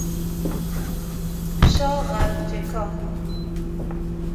شاه غرجکان